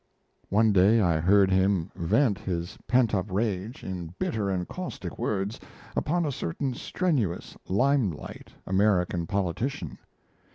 One day I heard him vent his pent up rage, in bitter and caustic words, upon a certain strenuous, limelight American politician.